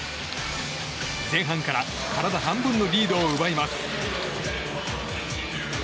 前半から体半分のリードを奪います。